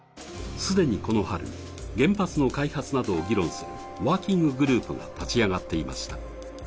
既にこの春、原発の開発などを議論するワーキンググループが立ち上がっていました。